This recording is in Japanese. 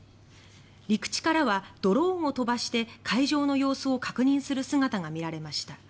陸地からはドローンを飛ばして海上の様子を確認する姿が見られました。